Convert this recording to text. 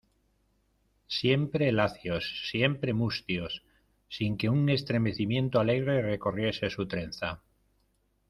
siempre lacios, siempre mustios , sin que un estremecimiento alegre recorriese su trenza.